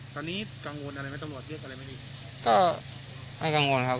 ตอนนี้กังวลอะไรไหมตำรวจเรียกอะไรไหม